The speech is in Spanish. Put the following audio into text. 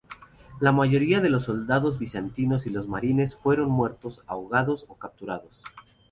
La mayoría de los soldados bizantinos y los marineros fueron muertos, ahogados o capturados.